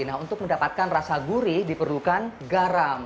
nah untuk mendapatkan rasa gurih diperlukan garam